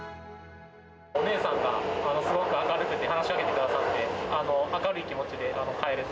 お姉さんが、ものすごく明るくて、話しかけてくださって、明るい気持ちで帰れます。